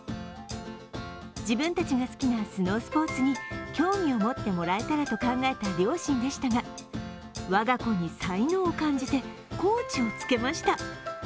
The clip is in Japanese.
自分たちが好きなスノースポーツに興味を持ってもらえたらと考えた両親でしたが我が子に才能を感じてコーチをつけました。